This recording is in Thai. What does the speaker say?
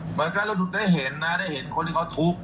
เหมือนกันเราได้เห็นนะได้เห็นคนที่เขาทุกข์